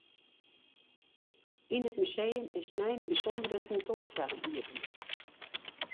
Yn it museum is snein in bysûndere tentoanstelling iepene.